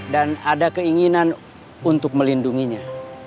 dan ada keinginan untuk melindunginya